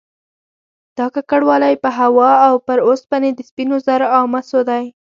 دا ککړوالی په هوا او پر اوسپنې، سپینو زرو او مسو دی